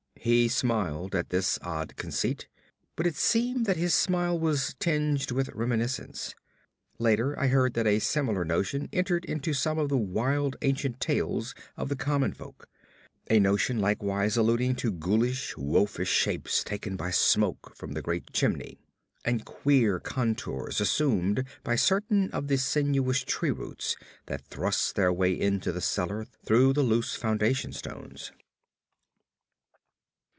He smiled at this odd conceit, but it seemed that his smile was tinged with reminiscence. Later I heard that a similar notion entered into some of the wild ancient tales of the common folk a notion likewise alluding to ghoulish, wolfish shapes taken by smoke from the great chimney, and queer contours assumed by certain of the sinuous tree roots that thrust their way into the cellar through the loose foundation stones.